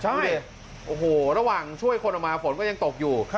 ใช่แล้วหลังช่วยคนออกมาฝนก็ยังตกอยู่